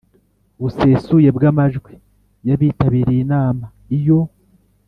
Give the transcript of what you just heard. busesuye bw amajwi y abitabiriye inama Iyo